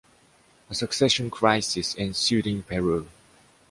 A succession crisis ensued in Peru.